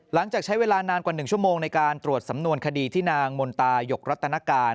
หลังจากใช้เวลานานกว่า๑ชั่วโมงในการตรวจสำนวนคดีที่นางมนตายกรัตนการ